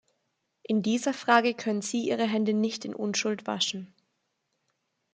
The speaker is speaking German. In dieser Frage können sie ihre Hände nicht in Unschuld waschen.